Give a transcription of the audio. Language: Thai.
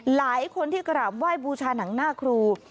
หลายคนที่กราบไหว้บูชาหนังหน้าครู